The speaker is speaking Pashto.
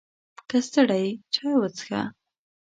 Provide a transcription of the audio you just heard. که ستړی یې، چای وڅښه!